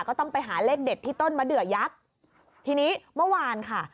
ก็ต้องไปหาเลขเด็ดที่ต้นมะเดือยักษ์ทีนี้เมื่อวานค่ะ